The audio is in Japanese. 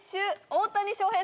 大谷翔平